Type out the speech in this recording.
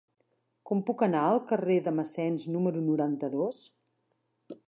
Com puc anar al carrer de Massens número noranta-dos?